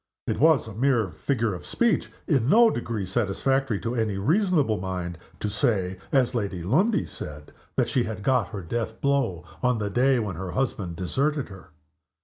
It was a mere figure of speech in no degree satisfactory to any reasonable mind to say, as Lady Lundie said, that she had got her death blow on the day when her husband deserted her.